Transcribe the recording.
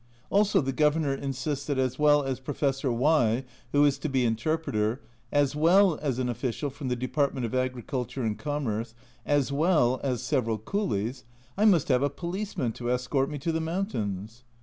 Also the Governor insists that as well as Professor Y (who is to be interpreter), as well as an official from the Depart ment of Agriculture and Commerce, as well as several coolies, I must have a policeman to escort me to the mountains.